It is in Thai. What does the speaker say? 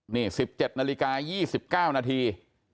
นี่๑๗นาฬิกา๒๙นาที